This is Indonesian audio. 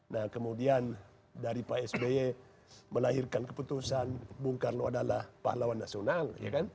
nah kemudian dari pak sby melahirkan keputusan bung karno adalah pahlawan nasional